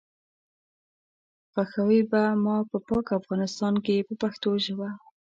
ښخوئ به ما په پاک افغانستان کې په پښتو ژبه.